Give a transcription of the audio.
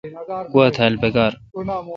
گوا تھال پکار۔